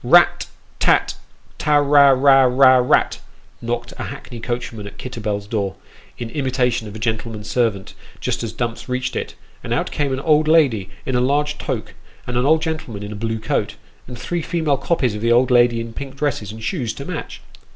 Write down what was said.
Rat tat ta ra ra ra ra rat knocked a hackney coachman at Kit terbell's door, in imitation of a gentleman's servant, just as Dumps reached it ; and out came an old lady in a large toque, and an old gentleman in a blue coat, and three female copies of the old lady in pink dresses, and shoes to match.